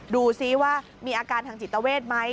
ดูซิว่ามีอาการทางจิตเวทไหม